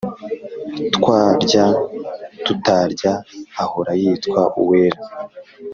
Twarya tutarya ahora yitwa Uwera